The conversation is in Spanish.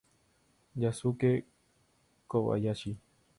Yosuke Kobayashi